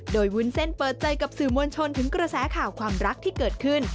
โดยวุ้นเส้นเปิดใจกับสื่อมวลชนถึงกระแสข่าวความรักที่เกิดขึ้น